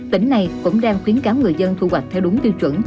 tỉnh này cũng đang khuyến cáo người dân thu hoạch theo đúng tiêu chuẩn